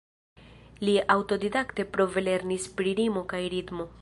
Li aŭtodidakte-prove lernis pri rimo kaj ritmo.